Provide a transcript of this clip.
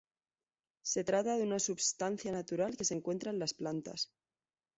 Se trata de una substancia natural que se encuentra en las plantas.